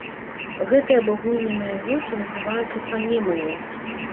Гэтыя абагульненыя гукі называюцца фанемамі.